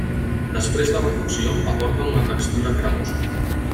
Després de la cocció aporten una textura cremosa.